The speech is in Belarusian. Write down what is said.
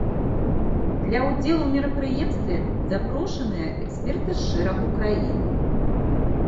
Для ўдзелу ў мерапрыемстве запрошаныя эксперты з шэрагу краін.